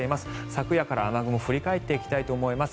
昨夜から雨雲振り返っていきたいと思います。